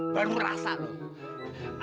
baru rasa loh